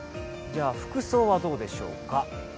服装はどうでしょうか。